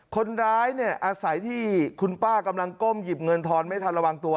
คนร้ายเนี่ยอาศัยที่คุณป้ากำลังก้มหยิบเงินทอนไม่ทันระวังตัว